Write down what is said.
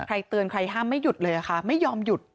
เตือนใครห้ามไม่หยุดเลยค่ะไม่ยอมหยุด